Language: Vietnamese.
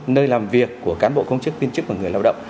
nơi làm việc của cán bộ công chức viên chức và người lao động